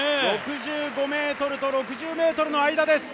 ６５ｍと６０ｍの間です。